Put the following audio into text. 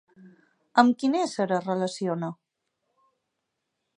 Amb quin ésser es relaciona?